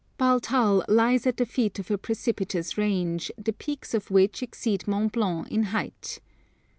Baltal lies at the feet of a precipitous range, the peaks of which exceed Mont Blanc in height.